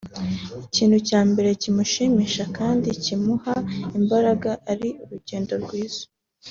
ikintu cya mbere kimushimisha kandi kimuha imbaraga ari urugero rwiza